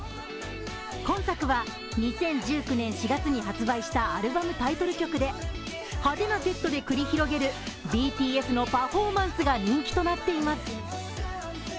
今作は、２０１９年４月に発売したアルバムタイトル曲で派手なセットで繰り広げるＢＴＳのパフォーマンスが人気となっています。